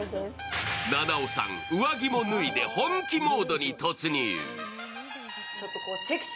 菜々緒さん、上着も脱いで本気モードに突入。